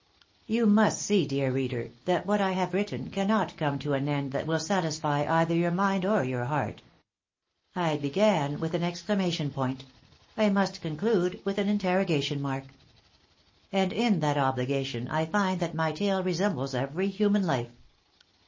You must see, dear reader, that what I have written cannot come to an end that will satisfy either your mind or your heart. I began with an exclamation point; I must conclude with an interrogation mark. And in that obligation I find that my tale resembles every human life.